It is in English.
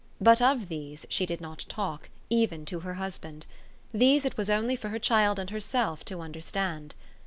But of these she did not talk, even to her husband. These it was only for her child and herself to under stand.